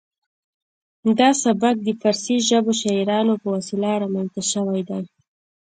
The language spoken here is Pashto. دا سبک د پارسي ژبو شاعرانو په وسیله رامنځته شوی دی